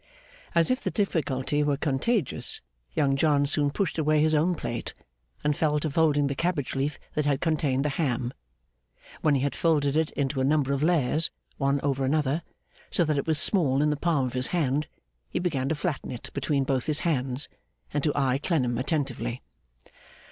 As if the difficulty were contagious, Young John soon pushed away his own plate, and fell to folding the cabbage leaf that had contained the ham. When he had folded it into a number of layers, one over another, so that it was small in the palm of his hand, he began to flatten it between both his hands, and to eye Clennam attentively.